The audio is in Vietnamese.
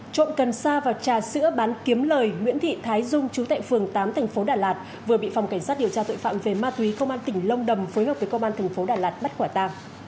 trộm cần sa và trà sữa bán kiếm lời nguyễn thị thái dung trú tại phường tám tp đà lạt vừa bị phòng cảnh sát điều tra tội phạm về ma túy công an tỉnh long đầm phối hợp với công an tp đà lạt bắt quả ta